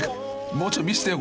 ［もうちょい見せてよ